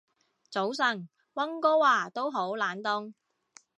早晨，溫哥華都好冷凍